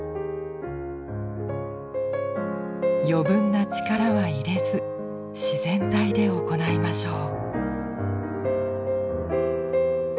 余分な力は入れず自然体で行いましょう。